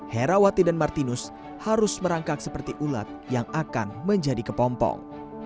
herawati dan martinus harus merangkak seperti ulat yang akan menjadi kepompong